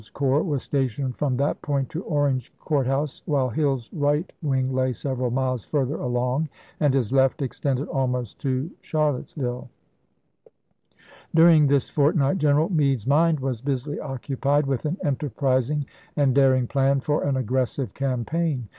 IX. little tributary of the Rapidan ; the rest of Ewell's corps was stationed from that point to Orange Court House, while Hill's right wing lay several miles further along, and his left extended almost to Charlottesville. Nov., 1863. During this fortnight General Meade's mind was busily occupied with an enterprising and daring plan for an aggressive campaign.